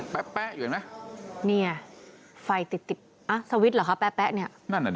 แป๊ะอยู่ไหมเนี่ยไฟติดอ๊ะสวิตเหรอคะแป๊ะเนี่ยนั่นน่ะดิ